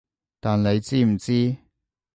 但你知唔知？